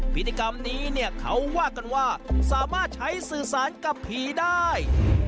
พิธีกรรมนี้เนี่ยเขาว่ากันว่าสามารถใช้สื่อสารกับผีได้